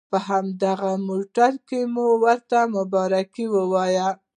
په هماغه موټر کې مو ورته مبارکي ورکړه.